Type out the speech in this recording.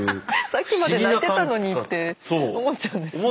さっきまで泣いてたのにって思っちゃうんですね。